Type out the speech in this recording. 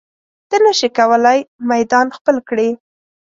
ته نشې کولی میدان خپل کړې.